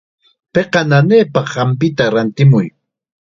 Piqa nanaypaq hampita rantimuy.